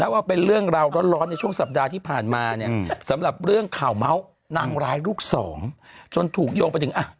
ว่าเป็นเรื่องราวร้อนในช่วงสัปดาห์ที่ผ่านมาเนี่ยสำหรับเรื่องข่าวเมาส์นางร้ายลูกสองจนถูกโยงไปถึงอ่ะ